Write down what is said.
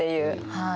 はい。